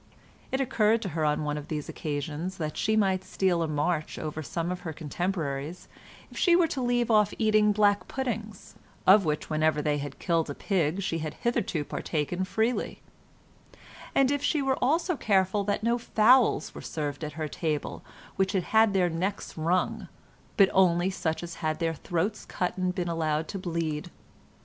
It occurred to her on one of these occasions that she might steal a march over some of her contemporaries if she were to leave off eating black puddings, of which whenever they had killed a pig she had hitherto partaken freely; and if she were also careful that no fowls were served at her table which had had their necks wrung, but only such as had had their throats cut and been allowed to bleed.